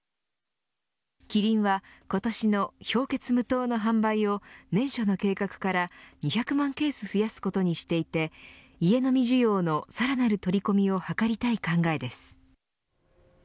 キリンは今年の氷結無糖の販売を年初の計画から２００万ケース増やすことにしていて家飲み需要のさらなる取り込みを図りたい考えです。